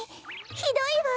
ひどいわ！